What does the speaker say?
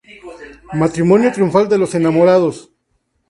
Matrimonio triunfal de los enamorados.